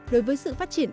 đối với sự phát triển